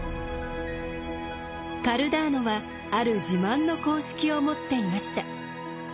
カルダーノはある自慢の公式を持っていました。